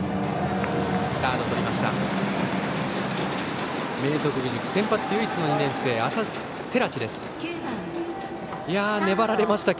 サードがとりました。